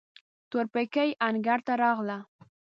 تورپيکۍ انګړ ته راغله.